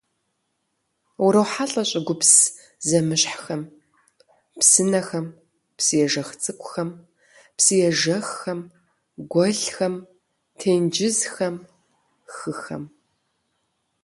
УрохьэлӀэ щӀыгупс зэмыщхьхэм: псынэхэм, псыежэх цӀыкӀухэм, псыежэххэм, гуэлхэм, тенджызхэм, хыхэм.